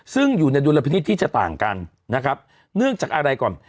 ซึ่งอยู่ในดุลพินิษฐ์ที่จะต่างกันนะครับเนื่องจากอะไรก่อน